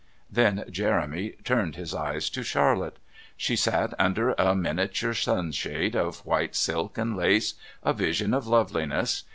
Then Jeremy turned his eyes to Charlotte. She sat under a miniature sunshade of white silk and lace, a vision of loveliness.